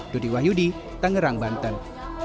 dodi wahyudi tangerang banten